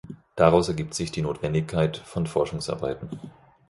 Daraus ergibt sich die Notwendigkeit von Forschungsarbeiten.